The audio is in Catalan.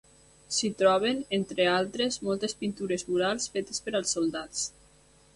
S'hi troben, entre altres, moltes pintures murals fetes per als soldats.